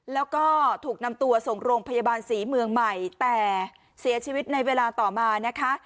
แล้วก็ถูกนำตัวส่งโรงพยาบาลศรีเมืองใหม่แต่เสียชีวิตในเวลาต่อมานะคะ